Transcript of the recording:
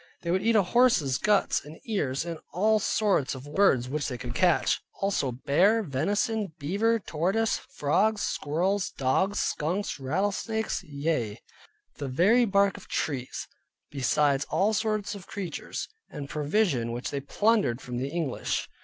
They would eat horse's guts, and ears, and all sorts of wild birds which they could catch; also bear, venison, beaver, tortoise, frogs, squirrels, dogs, skunks, rattlesnakes; yea, the very bark of trees; besides all sorts of creatures, and provision which they plundered from the English.